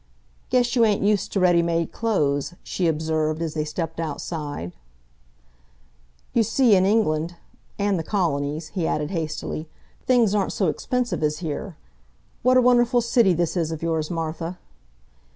"Guess you ain't used to ready made clothes," she observed, as they stepped outside. "You see, in England and the Colonies," he added hastily, "things aren't so expensive as here. What a wonderful city this is of yours, Martha!"